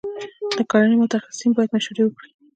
د کرنې متخصصین باید مشورې ورکړي.